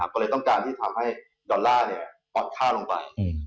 ก็เลยต้องการที่ทำให้ดอลลาร์อ่อนค่าลงไป